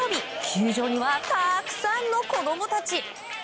球場にはたくさんの子供たち。